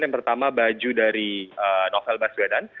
yang pertama baju dari novel baswedan